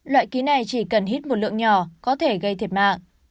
loại ký này chỉ cần hít một lượng nhỏ có thể gây thiệt mạng